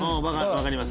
わかります。